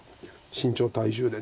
「身長」体重で。